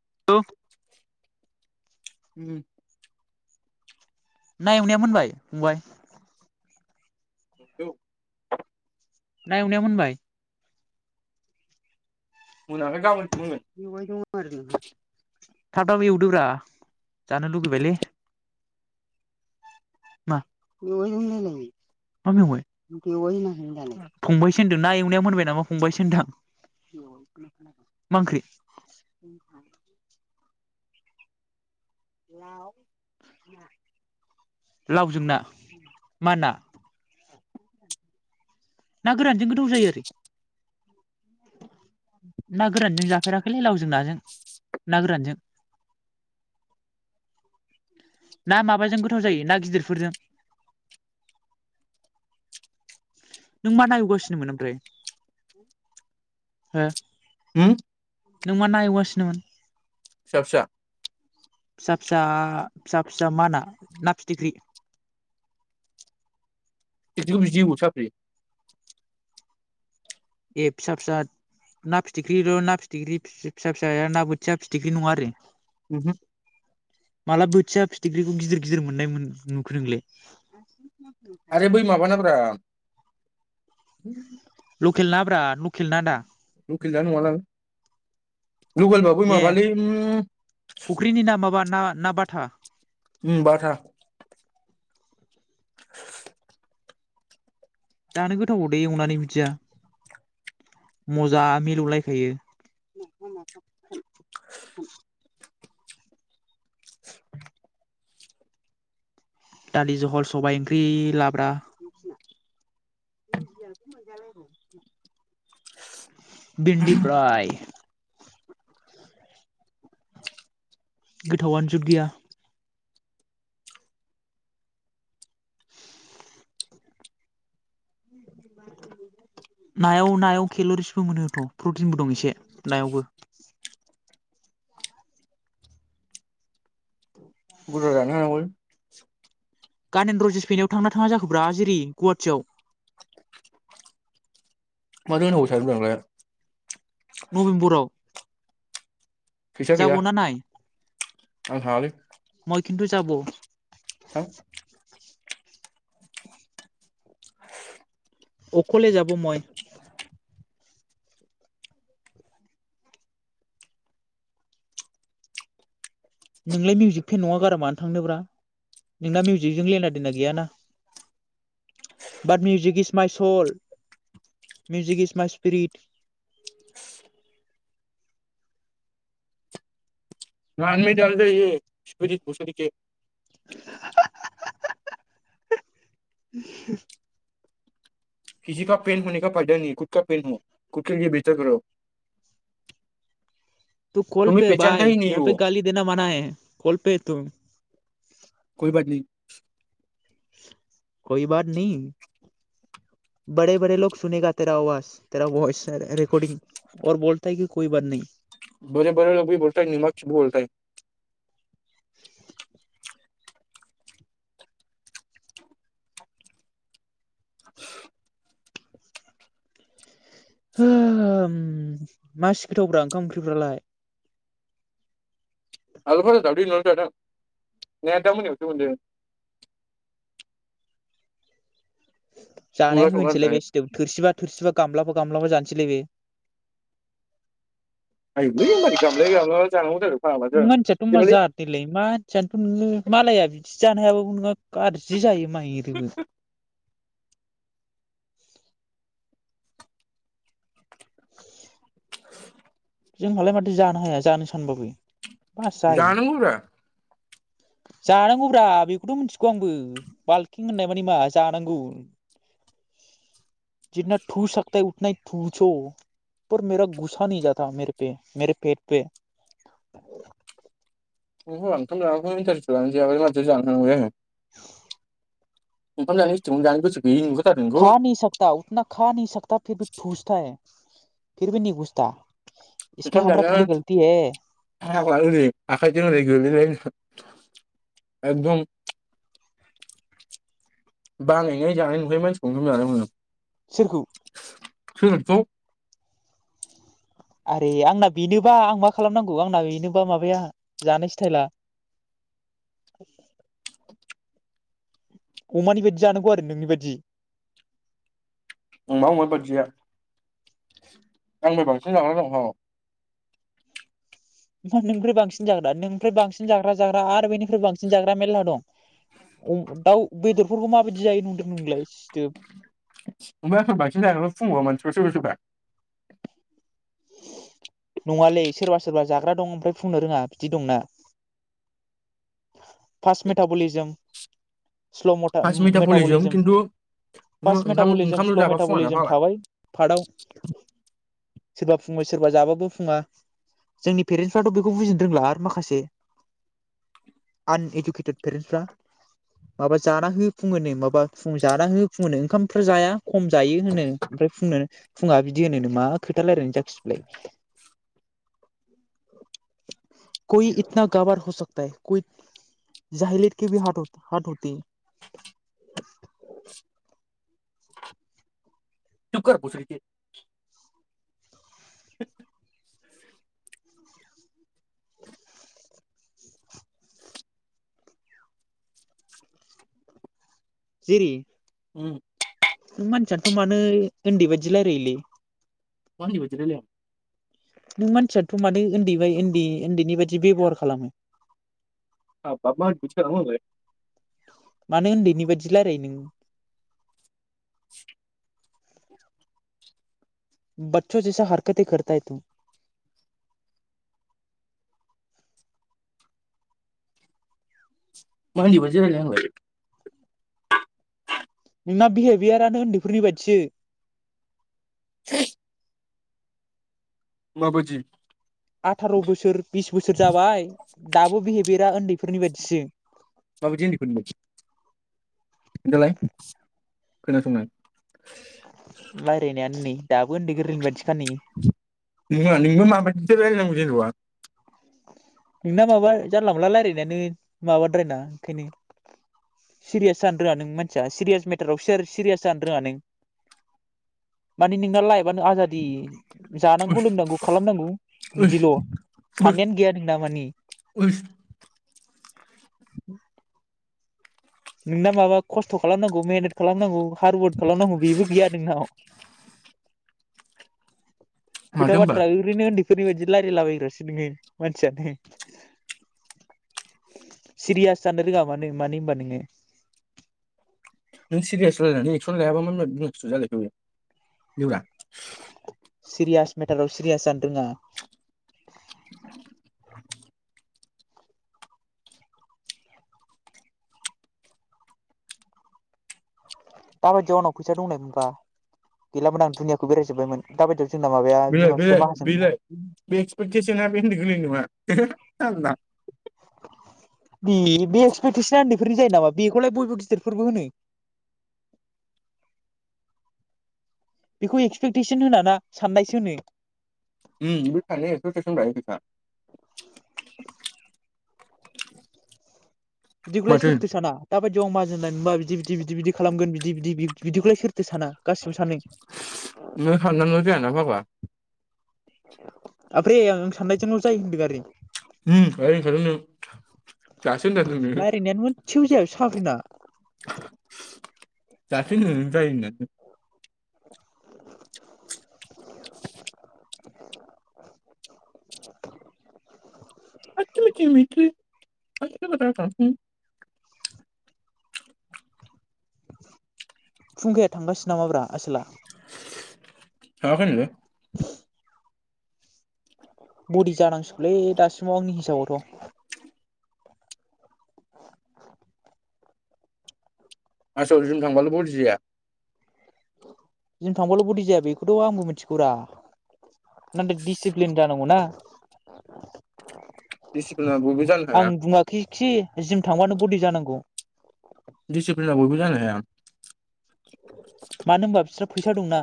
[unintelligible] उम ना एवनाया मोनबाय फंबाय [unintelligible] ना एवनाया मोनबाय मोनाखै दां बेवाय दं आरो नोंहा थाब थाब एवदोब्रा जानो लुगैबायलै मा मेवायजों [unintelligible] मा मेवाय बेवायना नोंनालाय फंबायसिन ना एवनाया मोनबाय नामा फंबायसो होनदां मा ओंख्रि लावजों ना मा ना ना गोरानजों गोथाव जायो आरो ना गोरानजों जाफेराखैलै लावजों नाजों ना गोरानजों ना माबाजों गोथाव जायो ना गिदिरफोरजों नों मा ना एवगासिनोमोन ओमफ्राय हो होम नों मा ना एवगासिनोमोन सा फिसा फिसा फिसा फिसा फिसा मा होना ना फिथिख्रि [unintelligible] ए फिसा फिसा ना फिथिख्रिल' ना फिथिख्रि फिसा फिसाया ना बोथिया फिथिख्रि नङा आरो माला [unintelligible] फिथिख्रिखौ गिदिर गिदिर मोननायमोन नुखो नोंलै आरो बै माबानाब्रा [inaudible] लकेल ना ब्रा लकेल ना दा लकेल ना नङा दां लकेल बाबो ए माबालै फुख्रिनि ना माबा ना ना बाथा ओम बाथा जानो गोथावबावदे एवनानै बिदिया मजा मिलौलायखायो दालि जहल सबाय ओंख्रि लाब्रा भिन्डि प्राय गोथावानो जुद गैया [inaudible] नायाव नायाव केल'रिसबो मोनोथ' प्रटिनबो दं एसे नायावबो [inaudible] बुरजा जानो हानांगौलै गानेन रजिस फैनायाव थांना थाङा जाखोब्रा जेरै गुवाहाटियाव मा जानांगौ [unintelligible] नबेम्बराव फैसा गैया जाब ना नाय आं थाङालै मइ खिन्थु जाब थां अखले जाब मय नोंलाय मिउजिक फेन नङा गारा मानो थांनोब्रा नोंना मिउजिकजों लेना देना गैयाना but music is my soul music is my spirit [unintelligible] सि बसुरि के [unintelligible] किसिखा पेन हने का फायदा नेहि खदखा पेन ह खद के लिये बेता कर' खल पे बाय इहापे गालि देना माना हे कल पे थुम कोई बात नहीं कइ बाद नाहि बारे बारे ल सनेगा तेरा आवाज तेरा भइस रकर्डिं अर बलथा हैइ कि कइ बाद नाहि बोर बोर लग बलथाहै निउ माक्स बलता है हो मासि गोथावब्रा ओंखाम ओंख्रिफ्रालाय आलु फाजा दावदै एवनानै जादों ने दा मोनायावसो मोनजायो अनला जानाया संना होनोसैलाय होदोंहाय बे सिथोब थोरसिबा थोरसिबा गामलाफोरखौ गामलाबा जानोसैलाय बे आयुलै मारै गामलाबा [unintelligible] जानांगौ जाखो फाग्ला जों नों मानथियाथ' मा जेबोलै जादनिलै मा मानसियानोथ' नोङो मालाया बि जानो हायाबो नङा गाज्रि जायो माइरिबो [inaudible] जोंहालाय माथो जानो हाया जानो सानबाबो बास जायो जानांगौ ब्रा जानांगौब्रा बेखौथ' मिथिगौ आंबो बाल्किं होननाय मानि मा जानांगौ बिदिना थुसाखथाय उथनाय थुस'फोर मेरा गुसानै जाथ' ता मेरेपे मेरे पेट पे [unintelligible] औ [unintelligible] नोंखौ खा न सकथ उथना खा नहि सकता फिर बे थुसथ है फिरबि नहि गुसथा [unintelligible] एकदम बानायनाय जानाय नुबाय मानसिखौनोनानै मोनो सोरखौ [unintelligible] आरो आंना बेनोबा आं मा खालामनांगौ आंना बेनोबा माबाया जानाय स्टाइला अमानि बायदि जानांगौ आरो नोंनि बायदि अमा अमा बायदिया आंबो बांसिन जानानै दं मा नोंनिफ्राय बांसिन जाग्रा नोंनिफ्राय बांसिन जाग्रा जाग्रा आरो बेनिफ्राय बांसिन जाग्रा मेरला दं दाउ बेदरबो माबायदि जायो नुदों नोंलाय सिथोब ओमफ्रायफोर बांसिन जाया ना फुङाव मानसिफोर सोरबा सोरोबा नङालै सोरबा सोरबा जाग्रा दं ओमफ्राय बुंनो रोङा बिदि दंना fart metabolism slow fast metabolism metabolism खिन्थु फार्स्ट ओंखाम मेटाबलिजम ओंखामल' स्ल' जाबा फुङाना मेटाबलिजम फाग्ला थाबाय फार्डआव सोरबा फुंबाय सोरबा जाबाबो फुङा जोंनि पेरेन्टसफ्राथ' बेखौ बुजिनो रोंला आरो माखासे आनइडुकेटेड पेरेन्टसफ्रा माबा जाना होयो फुङो माबा फुं जाना होयो फुङोनो ओंखामफोर जाया खम जायो होनो ओमफ्राय फ फुङा बिदि होनो मा खोथा रायलायनो जाखि य इतना गभार हसकता हैय जाहलि हा हाथ हति है [unintelligible] [inaudible] जिरि उम नों मानसियानोथ' मानो उन्दै बायदि रायलायोलै [unintelligible] नों मानसियाथ' मादै उन्दै बाय उन्दै उन्दैनि बाददि बेब'हार खालामो [unintelligible] मानो उन्दैनि बादि रायलायो नों बस्स' जायस हारकत खरता है थु मा उन्दै बायदि रायलायनो आंलाय नोंना बिहेभेयारानो उन्दैफोरनि बायदिसो [inaudible] माबादि आथार' बोसोर बिस बोसोर जाबाय दाबो बिहेभियार दा उन्दैफोरनि बायदिसो माबायदि उन्दैखौ खोनथालाय खोनासंनो आं रायज्लायनायानो नै दाबो उन्दै गोरलैनि बादि नोंलाय नोंलाय माबादि [unintelligible] नोंना माबा जानला मोनला रायजलायनायानो माबाद्रायना ओंखायनो सिरियास जानो रोङा नों मानसिया सिरियास मेटाराव सिरियास जानो रोङा नों माने नोंना लायबानो आजादि जानांगौ उस लोंनांगौ खालामनांगौ उस बिदिल' उस साननायानो गैया नोंना माने [inaudible] उस नोंना माबा खस्थ' खालामनांगौ मेहनथ खालामनांगौ कारवर्ड खालामनांगौ बेबो गैया नोंनाव खोथा माथो होनबा बाथ्रा ओरैनो ओन्दै फोरनिबायदि रायलायलाबायग्रासो नोङो मानसियानो सिरियास जानो रोङा मानो मानो होनबा नोङो नों सिरियास रायलायनानै [unintelligible] सिरियास मेटाराव सिरियास जानो रोङा [inaudible] दाबायदियाव आंनाव फैसा दंनाय मोनबा गैलामामोन आं दुनियाखौ बेरायजोब्बायमोन दाब बायदियाव बेलाय बेलाय बेलाय बे एक्सपेक्टेसना बे होनै गोलै नङा [inaudible] बे बे एक्सपेक्टेसना उन्दैफोरनि जायो नामा बेखौलाय बयबो गिदिरफोरबो होनो बेखौ एक्सपेक्टेसन होनााना साननायसो होनो [unintelligible] बिदिखौलाय माथो सोरथो साना दाबायदियाव आं माहाजोन [unintelligible] बिदि बिदि बिदि बिदि खालामगोन बिदि बिदि बिदिखौलाय सोरथो साना गासिबो सानो [unintelligible] ओफ्राय आं नों साननायजोंल' जायो होनदों आरो। [unintelligible] दासो होनथारदों नोङो। सेेबो जाया बे साफ्रिना दासो होनदों नों जायो होननानै [inaudible] [unintelligible] [unintelligible] फुंखाया थांगासिनो नामाब्रा आसोला थाङाखै नो बिदि जानांसिगौलै दासिमाव आंनि हिसाबावथ' [inaudible] आदसा‌ जिम‌ थांबाल‌ बदि‌ जाया जों थांबाल' बदि जाया बेखौथ' आंबो मिथिगौरा नाथाय दिडिसिप्लिन जानांगौ ना दिसिप्लिना बयबो जानो आं हाया बुङाखै खि जिम थांबानो बडि जानांगौ दिसिप्लिना बयबो जानो हाया। मानो होनबा बिस्रा फैसा दंना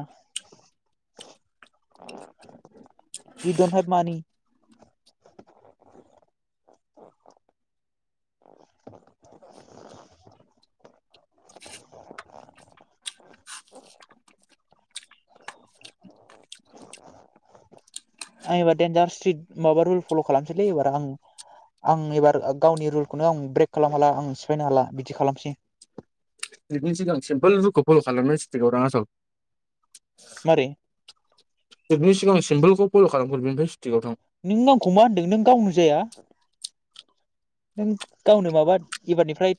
उइ डन हेब मानि आं एबार देनजार स्ट्रिट माबा रुल फल' खालामसैलै एबार आं आं एबार गावनि रुलखौनो आं ब्रेक खालामनो हाला आं सिफायनो हाला बिदि खालामसै आं। बिनि सिगां सिमफोल रूलखौ फल' खालाम नांसिगौदां आसोल मारै [unintelligible] नों आंखौ मा होनदों नों गावनो जाया नों गावनो माबा एबारनिफ्राय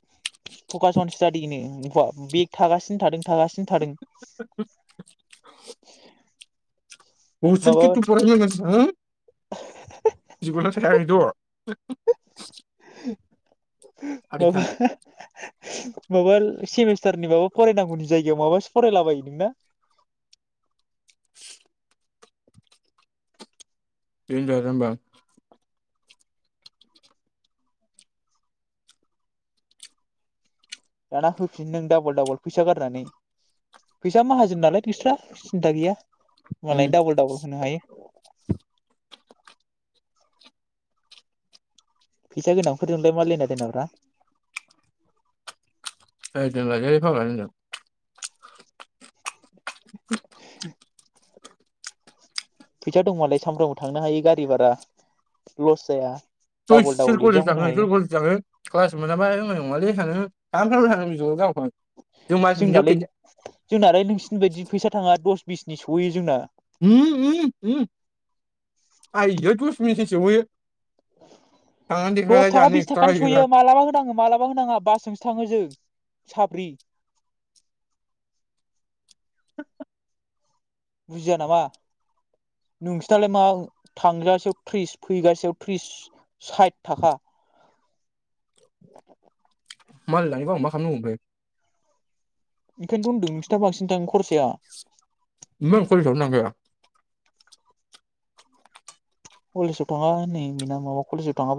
फकास अन स्टाडि बे थागासिनो थादों थागासिनो थादों। माबा [unintelligible] [unintelligible] आदैखा माबा माबा सेमिस्टारनि माबा फरायनांगौनि जायगायाव माबासो फरायलाबायो नोंना। देनजार जाम्बा दाना होफिन नों डाबल डाबल फैसा गारनानै फैसा माहाजोन नालाय [unintelligible] सिन्था गैया उम मालाय डाबल डाबल होननो हायो। फैसा गोनां फोरजोंलाय मा लेना देनाब्रा ओइ दोनदोलै‌‌ फाग्ला दोनदो [inaudible] फैसा दंमोनालाय सामफ्रामबो थांनो हायो गारि भारा लस जाया। हैस‌ डाबल डाबल कलेज एगजाम होनो थाङो हायो कलेज थाङो क्लास मोनाबा मनाय नङालै सानो [unintelligible] जों मास मोनसेयाव जोंनालाय खेनसे जोंनालाय नोंसिनि बायदि फैसा थाङा दस बिसनि सौहै जोंना ओम ओम ओम आइयै दस‌ बिसनि‌ सोहै दस थाखा दानो बिस एक्सट्रा थाखानि होयोना सयो मालाबा होनाङो मालाबा होनाङा बासजोंसो थाङो जों। साबफ्रि बुजिया नामा नोंसोरनालाय मा थांजासेयाव थ्रिस फैगासेयाव थ्रिस साइथ थाखा मालाय लायोबा आं मा खालामनांगौ ओमफ्राय ओंखायनोथ' होनदों नोंसोरना बांसिन थाङो खरसाया [unintelligible] खलेसाव‌ थाङा नै बेना माबा कलेसाव थाङा।